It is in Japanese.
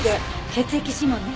血液指紋ね。